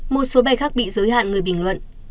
một số bay khác bị giới hạn người bình luận